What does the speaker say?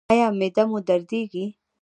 ایا معده مو دردیږي؟